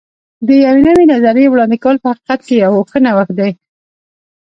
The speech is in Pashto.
د یوې نوې نظریې وړاندې کول په حقیقت کې یو ښه نوښت دی.